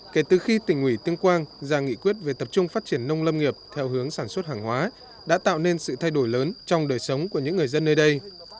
kể từ khi tỉnh ủy tuyên quang ra nghị quyết về tập trung phát triển nông lâm nghiệp theo hướng sản xuất hàng hóa đã tạo nên sự thay đổi lớn trong đời sống của những người dân nơi đây